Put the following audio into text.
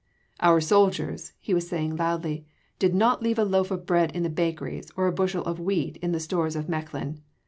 "Our soldiers," he was saying loudly, "did not leave a loaf of bread in the bakeries, or a bushel of wheat in the stores of Mechlin.